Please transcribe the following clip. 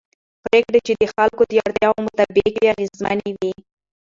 پرېکړې چې د خلکو د اړتیاوو مطابق وي اغېزمنې وي